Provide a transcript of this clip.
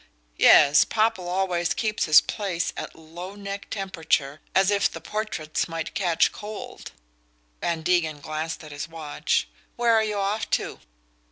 "Yes. Popple always keeps his place at low neck temperature, as if the portraits might catch cold." Van Degen glanced at his watch. "Where are you off to?"